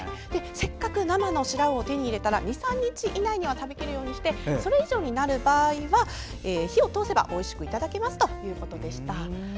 せっかく生のシラウオを手に入れたら２３日以内には食べきるようにしてそれ以上になる場合は火を通せばおいしくいただけますよということでした。